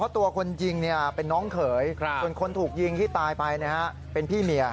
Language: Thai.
ตัวคนยิงเป็นน้องเขยส่วนคนถูกยิงที่ตายไปเป็นพี่เมีย